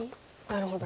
なるほど。